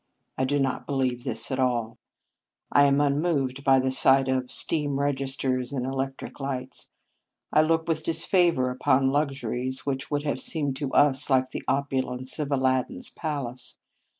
I do not believe this at all. I am unmoved by the sight of steam registers and electric lights. I look with disfavour upon luxuries which would have seemed to us like the opulence of Aladdin s palace.